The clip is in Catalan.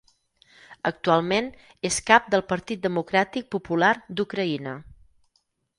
Actualment és cap del Partit Democràtic Popular d'Ucraïna.